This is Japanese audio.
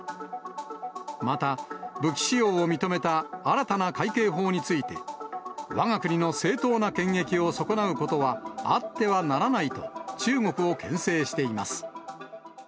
また武器使用を認めた新たな海警法について、わが国の正当な権益を損なうことはあってはならないと、中国をけん制しています。